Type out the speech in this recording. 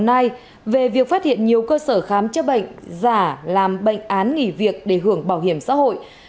điều phát hiện nhiều cơ sở khám chữa bệnh giả làm bệnh án nghỉ việc để hưởng bảo hiểm xã hội